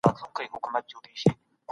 علمي ټولنپوهنه ډېر اهمیت لري.